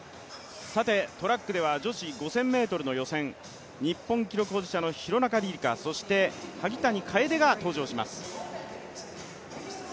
トラックでは女子５０００ｍの予選、日本人記録保持者の廣中璃梨佳、そして萩谷楓が登場します。